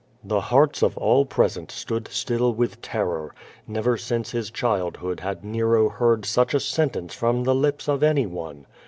'' The hearts of all present stood still with terror. Never since his childhood liad Nero heard sucli a sentence from the lips of any one.